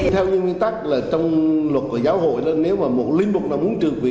theo nguyên tắc là trong luật của giáo hội nếu mà một lĩnh vực nào muốn trừ quỵ